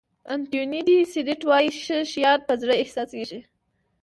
انتوني دي سېنټ وایي ښه شیان په زړه احساسېږي.